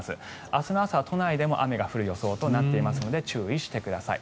明日の朝、都内でも雨が降る予想となっていますので注意してください。